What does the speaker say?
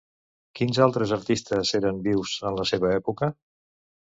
Quins altres artistes eren vius en la seva època?